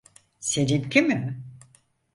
Seninki mi?